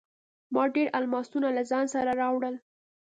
ما ډیر الماسونه له ځان سره راوړل.